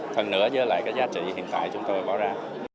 hơn nữa với lại cái giá trị hiện tại chúng tôi bỏ ra